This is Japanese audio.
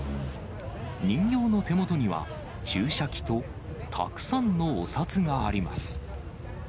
人形の手元には、注射器とたくさんのお札があります。